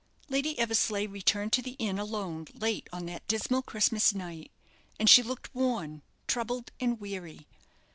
Lady Eversleigh returned to the inn alone late on that dismal Christmas night, and she looked worn, troubled, and weary.